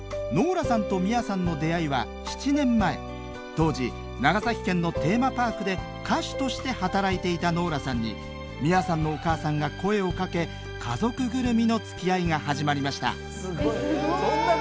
当時長崎県のテーマパークで歌手として働いていたノーラさんに美愛さんのお母さんが声をかけ家族ぐるみのつきあいが始まりました